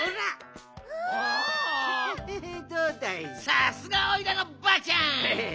さすがおいらのばあちゃん！